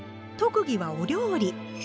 特技はお料理。